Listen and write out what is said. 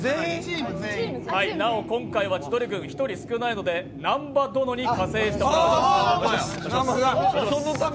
なお今回は千鳥軍１人少ないので南波殿に加勢してもらう。